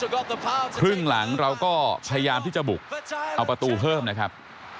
ครึ่งหลังเราก็พยายามที่จะบุกเอาประตูเพิ่มนะครับ